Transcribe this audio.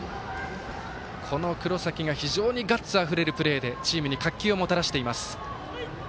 この黒崎が非常にガッツあふれるプレーでチームに活気をもたらしています。